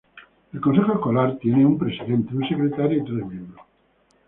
El consejo escolar tiene un presidente, un secretario, y tres miembros.